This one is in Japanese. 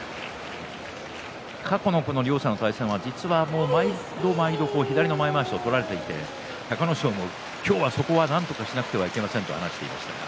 過去の両者の対戦は実は毎度毎度左の前まわしを取られていて隆の勝も今日はそこをなんとかしなくてはいけませんと話していました。